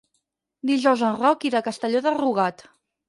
Dijous en Roc irà a Castelló de Rugat.